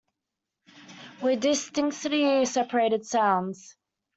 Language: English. With distinctly separated sounds.